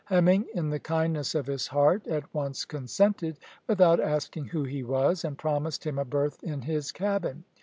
Hemming, in the kindness of his heart, at once consented, without asking who he was, and promised him a berth in his cabin.